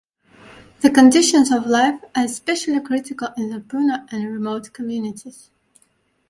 The conditions of life are especially critical in the puna and remote communities.